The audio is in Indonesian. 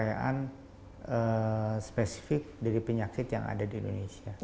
dan itu harus terlindungi sebagai data yang spesifik dari penyakit yang ada di indonesia